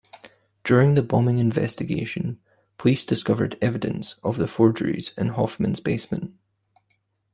During the bombing investigation, police discovered evidence of the forgeries in Hofmann's basement.